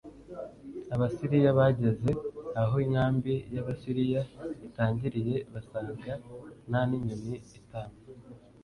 Abasiriya bageze aho inkambi y Abasiriya itangiriye basanga nta n inyoni itamba